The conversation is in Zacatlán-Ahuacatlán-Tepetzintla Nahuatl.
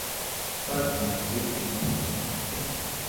Cualtzin tliltic motzon